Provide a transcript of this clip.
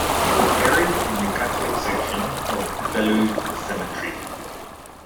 He was buried in the Catholic section of Bellu cemetery.